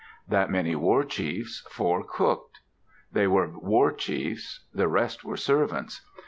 That many war chiefs, four, cooked. They were war chiefs. The rest were servants.